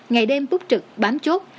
ngày đêm túp trực bám chốt